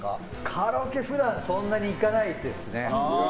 カラオケ普段そんなに行かないですね。